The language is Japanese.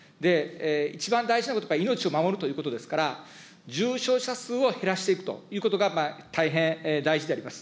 一番大事なことは命を守るということですから、重症者数を減らしていくということが、大変大事であります。